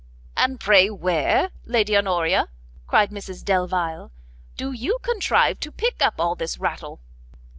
"And pray where, Lady Honoria," cried Mrs Delvile, "do you contrive to pick up all this rattle?"